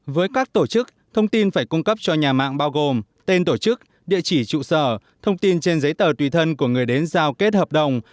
với các tổ chức thông tin phải cung cấp cho nhà mạng bao gồm tên tổ chức địa chỉ trụ sở thông tin trên giấy tờ tùy thân của người đến giao kết hợp đồng